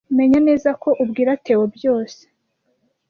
Menya neza ko ubwira Theo byose.